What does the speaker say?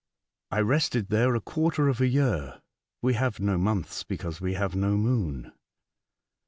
I rested there a quarter of a year (we have no months, because we have no moon).